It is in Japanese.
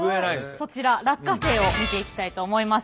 そちら落花生を見ていきたいと思います。